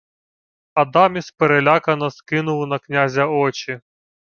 Адаміс перелякано скинув на князя очі.